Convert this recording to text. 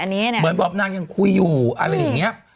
เหมือนแบบนางยังคุยอยู่อะไรอย่างนี้